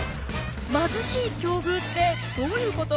貧しい境遇ってどういうこと？